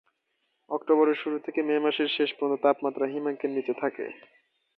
অক্টোবরের শুরু থেকে মে মাসের শেষ পর্যন্ত তাপমাত্রা হিমাঙ্কের নিচে থাকে।